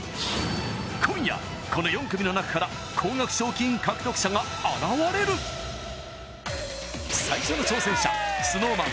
今夜この４組の中から高額賞金獲得者が現れる最初の挑戦者ＳｎｏｗＭａｎ